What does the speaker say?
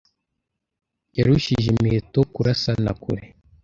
Yarushije Miheto kurasana kure